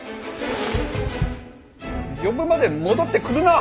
呼ぶまで戻ってくるな。